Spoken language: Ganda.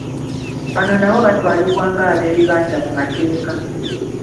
Bano nabo batwalibwa nga ab'ebibanja mu mateeka.